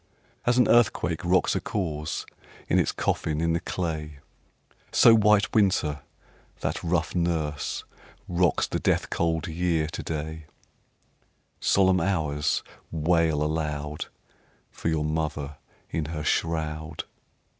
2. As an earthquake rocks a corse In its coffin in the clay, So White Winter, that rough nurse, Rocks the death cold Year to day; _10 Solemn Hours! wail aloud For your mother in her shroud.